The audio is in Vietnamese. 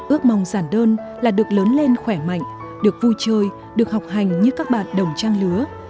ước mong giản đơn là được lớn lên khỏe mạnh được vui chơi được học hành như các bạn đồng trang lứa